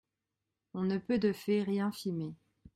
On ne peut, de fait, rien filmer.